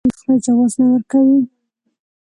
آیا دوی د استخراج جواز نه ورکوي؟